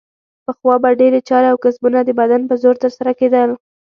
پخوا به ډېرې چارې او کسبونه د بدن په زور ترسره کیدل.